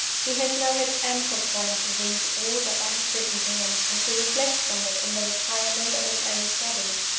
He has now had ample time to read all that I have written to him, and to reflect on it in the retirement of his own study.